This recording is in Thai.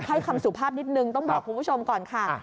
ให้คำสุภาพนิดนึงต้องบอกคุณผู้ชมก่อนค่ะ